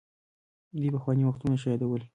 دوی پخواني وختونه ښه يادول.